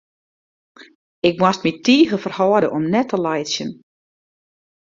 Ik moast my tige ferhâlde om net te laitsjen.